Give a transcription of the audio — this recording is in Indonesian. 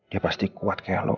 dia pasti kuat kayak lo